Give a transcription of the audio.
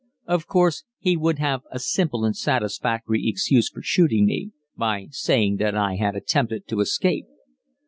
Of course he would have a simple and satisfactory excuse for shooting me, by saying that I had attempted to escape.